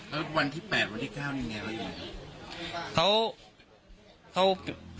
แล้ววันที่๘วันที่๙นี่เมียเขาอยู่ไหน